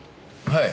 はい。